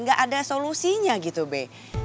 gak ada solusinya gitu be